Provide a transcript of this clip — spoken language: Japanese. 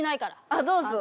ああ、どうぞ。